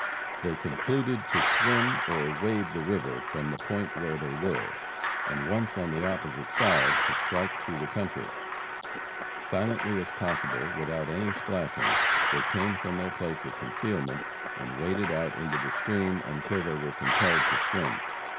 They concluded to swim or wade the river from the point where they were, and, once on the opposite side, to strike through the country. Silently as possible, without any splashing, they came from their place of concealment and waded out into the stream until they were compelled to swim.